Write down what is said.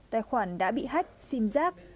tài khoản đã bị hách xìm rác